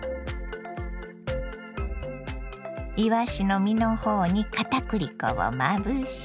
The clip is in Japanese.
いわしの身の方にかたくり粉をまぶし。